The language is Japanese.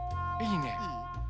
いいね。